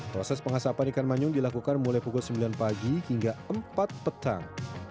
proses pengasapan ikan manyun dilakukan mulai pukul sembilan pagi hingga empat petang